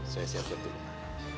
saya siap bertunggu